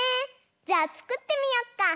じゃあつくってみよっか！